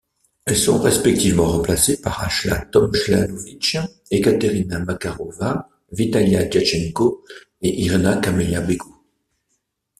Elles sont respectivement remplacées par Ajla Tomljanović, Ekaterina Makarova, Vitalia Diatchenko et Irina-Camelia Begu.